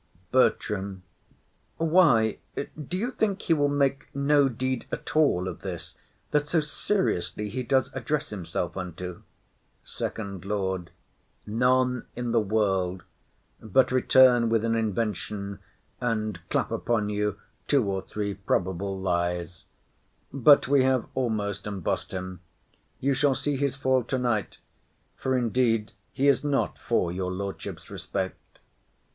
BERTRAM. Why, do you think he will make no deed at all of this, that so seriously he does address himself unto? FIRST LORD. None in the world; but return with an invention, and clap upon you two or three probable lies; but we have almost embossed him; you shall see his fall tonight; for indeed he is not for your lordship's respect.